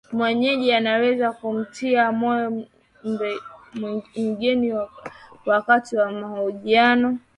mwenyeji anaweza kumtia moyo mgeni wakati wa mahojiano